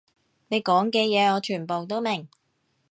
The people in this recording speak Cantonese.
你講嘅嘢我全部都明